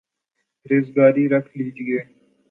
ریزگاری رکھ لیجئے